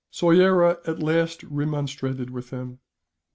Soyera at last remonstrated with him.